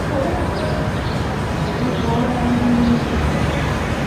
ہک ہور گل جِڑّی میں دِکھی۔